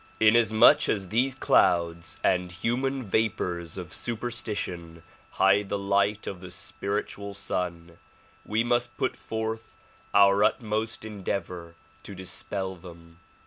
Inasmuch as these clouds and human vapors of superstition hide the light of the spiritual Sun, we must put forth our utmost endeavor to dispel them.